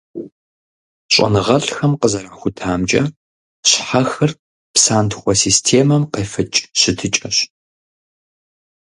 ЩӀэныгъэлӀхэм къызэрахутамкӀэ, щхьэхыр псантхуэ системэм къефыкӀ щытыкӀэщ.